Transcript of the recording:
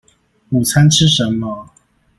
午餐吃什麼